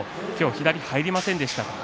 左が入りませんでした。